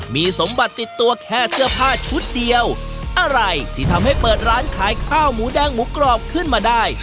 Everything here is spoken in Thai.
มีสมบัติติดตัวแค่เสื้อผ้าชุดเดียวอะไรที่ทำให้เปิดร้านขายข้าวหมูแดงหมูกรอบขึ้นมาได้